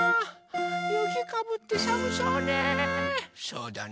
ゆきかぶってさむそうね。